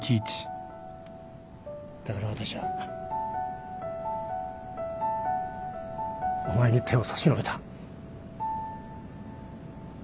だから私はお前に手を差し伸べた。